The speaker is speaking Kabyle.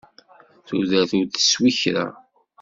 Tudert ur teswi kra.